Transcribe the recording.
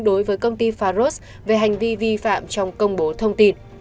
đối với công ty faros về hành vi vi phạm trong công bố thông tin